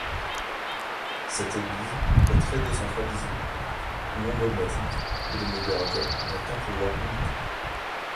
Cette Église est très décentralisée, non dogmatique, et le modérateur n'a qu'un pouvoir limité.